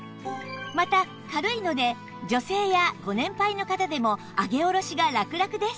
また軽いので女性やご年配の方でも上げ下ろしがラクラクです